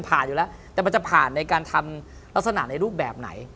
อยู่แล้วแต่มันจะผ่านในการทำลักษณะในรูปแบบไหน